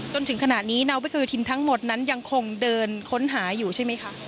จนถึงขณะนี้นาวิกโยธินทั้งหมดนั้นยังคงเดินค้นหาอยู่ใช่ไหมคะ